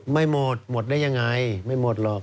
ไม่หมดหมดได้ยังไงไม่หมดหรอก